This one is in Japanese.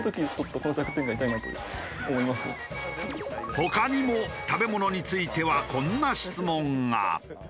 他にも食べ物についてはこんな質問が。